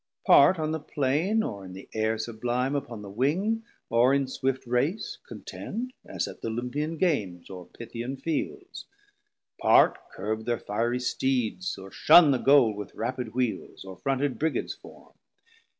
Part on the Plain, or in the Air sublime Upon the wing, or in swift race contend, As at th' Olympian Games or Pythian fields; 530 Part curb thir fierie Steeds, or shun the Goal With rapid wheels, or fronted Brigads form.